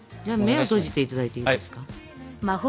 目を閉じていただいていいですか？